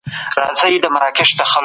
حضوري ټولګي ګډې پوهنې ته وده ورکړې ده.